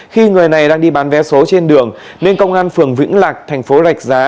khi người này đang đi bán vé số trên đường nên công an phường vĩnh lạc thành phố rạch giá